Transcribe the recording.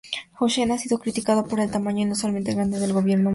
Hussein ha sido criticado por el tamaño inusualmente grande del gobierno somalí.